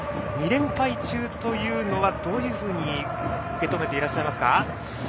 ２連敗中というのはどういうふうに受け止めていらっしゃいますか？